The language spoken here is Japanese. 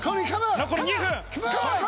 残り２分。